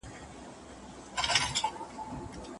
دواړه ياران گوته په غاښ گوته په خوله پاتې دي